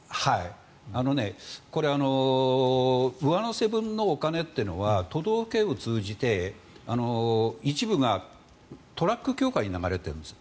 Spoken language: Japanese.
これは上乗せ分のお金ってのは都道府県を通じて一部がトラック協会に流れているんです。